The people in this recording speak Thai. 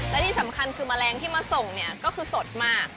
และที่สำคัญคือแมลงที่มาส่งเนี่ยก็คือสดมาก